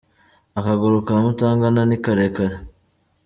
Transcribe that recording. Akaguru ka mutangana ni karekare.